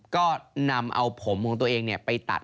ก็นำเอาผมของตัวเองไปตัด